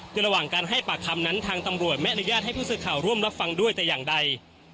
คือระหว่างการให้ปากคำนั้นทางตำรวจไม่อนุญาตให้ผู้สื่อข่าวร่วมรับฟังด้วยแต่อย่างใด